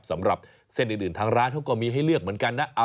สำหรับเส้นอื่นทางร้านเขาก็มีให้เลือกเหมือนกันนะ